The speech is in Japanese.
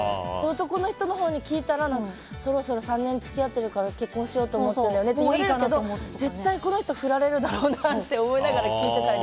男の人のほうに聞いたらそろそろ３年付き合ってるから結婚しようと思ってるんだよねっていうけど絶対この人ふられるだろうなって思いながら聞いてたり。